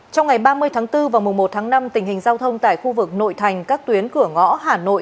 trong ngày ba mươi tháng bốn và mùa một tháng năm tình hình giao thông tại khu vực nội thành các tuyến cửa ngõ hà nội